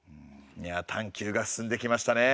いや探究が進んできましたね。